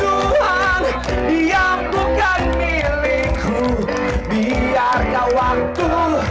apalagi tadi ya lima lagu